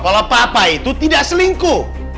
kalau papa itu tidak selingkuh